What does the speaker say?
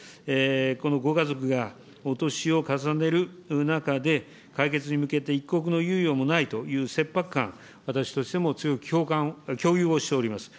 このご家族がお年を重ねる中で、解決に向けて一刻の猶予もないという切迫感、私としても共感、共有をしております。